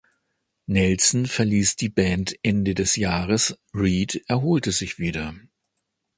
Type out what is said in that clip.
Nelson verließ die Band Ende des Jahres, Reed erholte sich wieder.